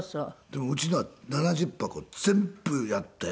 でもうちのは７０箱全部やって。